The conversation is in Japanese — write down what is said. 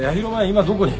今どこに？